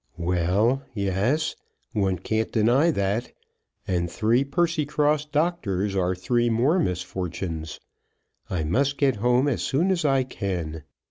"Well; yes. One can't deny that. And three Percycross doctors are three more misfortunes. I must get home as soon as I can."